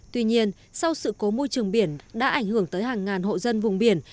tuy nhiên sau sự cố môi trường biển đã ảnh hưởng tới hàng ngàn hộ dân vùng biển